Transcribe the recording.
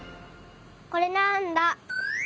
これなんだ？